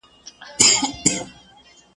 تاج دي کم سلطان دي کم اورنګ دي کم.